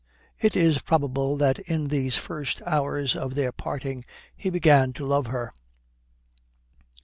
It is probable that in these first hours of their parting he began to love her.